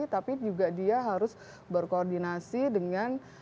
tapi juga dia harus berkoordinasi dengan